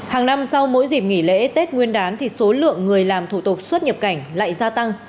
hàng năm sau mỗi dịp nghỉ lễ tết nguyên đán thì số lượng người làm thủ tục xuất nhập cảnh lại gia tăng